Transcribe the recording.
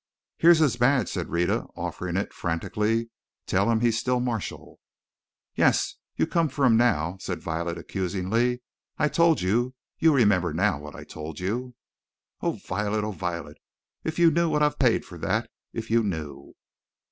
"Here's his badge," said Rhetta, offering it frantically. "Tell him he's still marshal!" "Yes, you can come for him now!" said Violet, accusingly. "I told you you remember now what I told you!" "O Violet, Violet! If you knew what I've paid for that if you knew!"